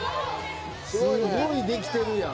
すごいできてるやん。